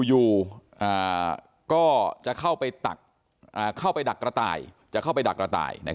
อยู่ก็จะเข้าไปดักกระต่าย